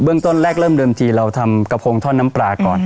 ต้นแรกเริ่มเดิมทีเราทำกระโพงท่อนน้ำปลาก่อน